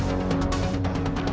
aku mau berjalan